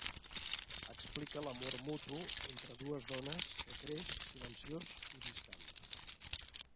Explica l'amor mutu entre dues dones que creix silenciós i distant.